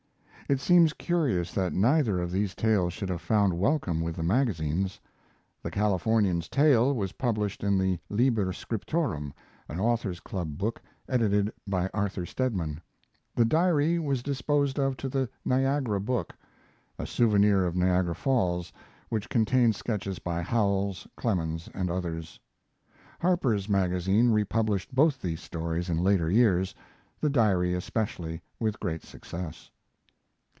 [It seems curious that neither of these tales should have found welcome with the magazines. "The Californian's Tale" was published in the Liber Scriptorum, an Authors' Club book, edited by Arthur Stedman. The 'Diary' was disposed of to the Niagara Book, a souvenir of Niagara Falls, which contained sketches by Howells, Clemens, and others. Harper's Magazine republished both these stories in later years the Diary especially with great success.